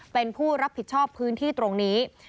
เป็นผู้รับผิดชอบพื้นที่ตรงนี้